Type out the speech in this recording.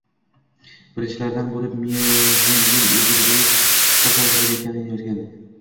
Birinchilardan bo‘lib Meryem Uzerli chuqur qayg‘uda ekanini yozgan